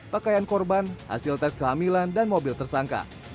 pakaian korban hasil tes kehamilan dan mobil tersangka